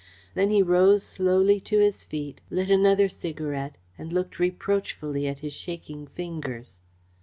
Then he rose slowly to his feet, lit another cigarette and looked reproachfully at his shaking fingers.